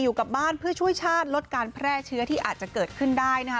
อยู่กับบ้านเพื่อช่วยชาติลดการแพร่เชื้อที่อาจจะเกิดขึ้นได้นะคะ